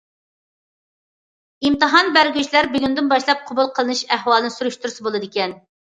ئىمتىھان بەرگۈچىلەر بۈگۈندىن باشلاپ، قوبۇل قىلىنىش ئەھۋالىنى سۈرۈشتۈرسە بولىدىكەن.